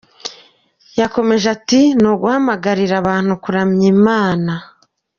Yakomeje ati “Ni uguhamagarira abantu kuramya Imana.